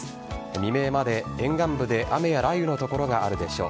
未明まで沿岸部で雨や雷雨の所があるでしょう。